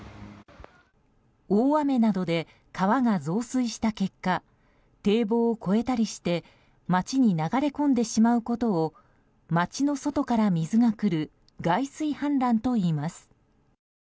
大雨などで川が増水した結果堤防を越えたりして街に流れ込んでしまうことを街の外から水が来る外水氾濫といいます。